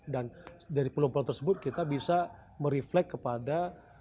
dan dari peluang peluang tersebut kita bisa mereflect kepada